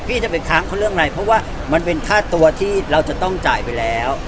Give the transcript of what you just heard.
พี่จะไปค้างเขาเรื่องอะไรเพราะว่ามันเป็นค่าตัวที่เราจะต้องจ่ายไปแล้ว